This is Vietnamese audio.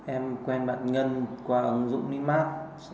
em quen bạn ngân qua ứng dụng memarkt